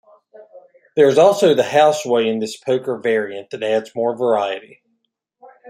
There is also the "House Way" in this poker variant that adds more variety.